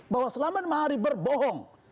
bahwa selama mahari berbohong